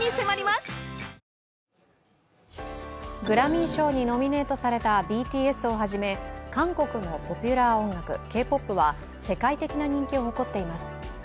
グラミー賞にノミネートされたＢＴＳをはじめ韓国のポピュラー音楽、Ｋ−ＰＯＰは世界的な人気を誇っています。